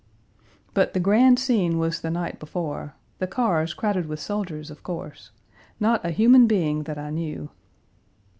But the grand scene was the night before: the cars crowded with soldiers, of course; not a human being that I knew.